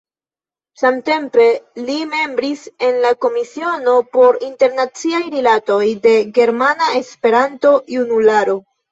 Samtempe li membris en la Komisiono por Internaciaj Rilatoj de Germana Esperanto-Junularo.